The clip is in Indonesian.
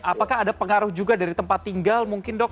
apakah ada pengaruh juga dari tempat tinggal mungkin dok